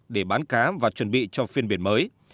để bán cá và chuẩn bị cho phiên biển mới